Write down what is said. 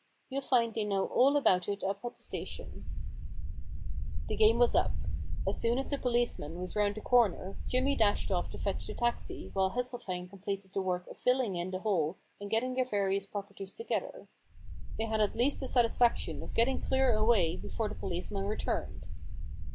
You'll find they know all about it up at the station/ The game was up. As soon as the police man was round the corner Jimmy dashed off to fetch the taxi while Hesseltine completed the work of filling in the hole and getting their various properties together. They had at least the satisfaction of getting clear away before the policeman returned.